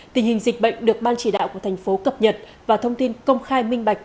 tình hình dịch bệnh được ban chỉ đạo của thành phố cập nhật và thông tin công khai minh bạch